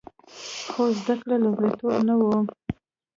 خو زده کړې لومړیتوب نه و